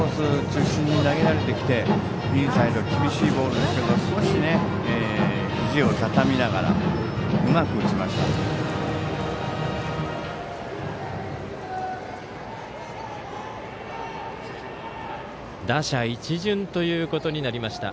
中心に投げられてきてインサイド厳しいボールでしたけど少しひじをたたみながらうまく打ちました。